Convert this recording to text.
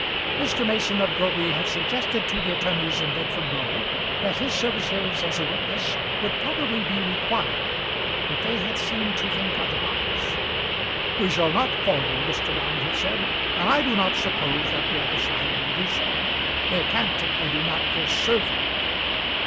Mr. Mason of Groby had suggested to the attorneys in Bedford Row that his services as a witness would probably be required, but they had seemed to think otherwise. "We shall not call you," Mr. Round had said, "and I do not suppose that the other side will do so. They can't if they do not first serve you."